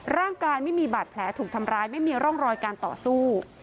ร่างกายไม่มีบาดแผลถูกทำร้ายไม่มีร่องรอยการต่อสู้